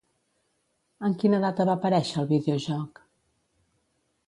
En quina data va aparèixer el videojoc?